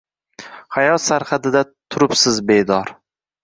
Hayot sarhadida turibsiz bedor.